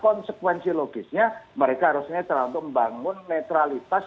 konsekuensi logisnya mereka harusnya terlalu membangun netralitas